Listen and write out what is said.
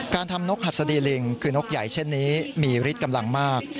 การทำนกหัสดีลิงคือนกใหญ่เช่นนี้มีฤทธิ์กำลังมาก